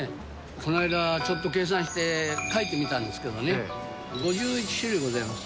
この間、ちょっと計算して書いてみたんですけどね、５１種類ございます。